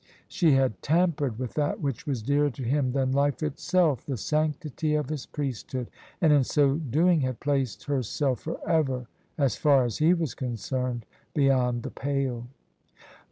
She had tampered with that which was dearer to him than life itself, the sanctity of his priesthood: and in so doing had placed herself for ever, as far as he was concerned, beyond the pale.